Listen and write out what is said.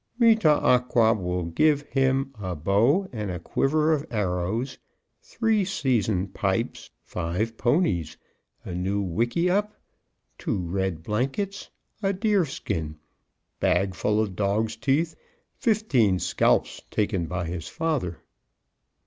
Me tah ah qua will give him a bow and a quiver of arrows three seasoned pipes five ponies a new wicky up two red blankets a deer skin bag full of dogs' teeth fifteen scalps taken by his father."